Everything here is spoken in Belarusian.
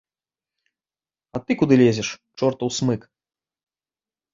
А ты куды лезеш, чортаў смык?